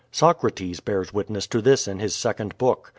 Socrates bears witness to this in his second book.